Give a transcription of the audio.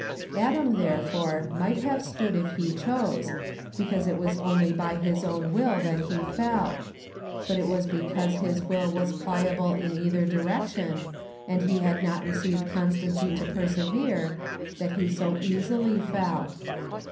Adam, therefore, might have stood if he chose, since it was only by his own will that he fell; but it was because his will was pliable in either direction, and he had not received constancy to persevere, that he so easily fell.